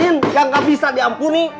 ninn yang gabisa diampuni